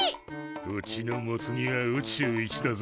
うちのモツ煮は宇宙一だぜ。